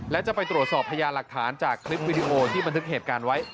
และจะไปตรวจสอบพยานหลักฐานจากคลิปวิดีโอที่บันทึกเหตุการณ์ไว้